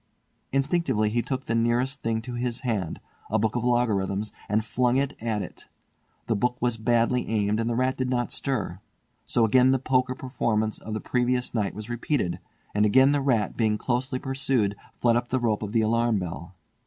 Instinctively he took the nearest thing to his hand, a book of logarithms, and flung it at it. The book was badly aimed and the rat did not stir, so again the poker performance of the previous night was repeated; and again the rat, being closely pursued, fled up the rope of the alarm bell.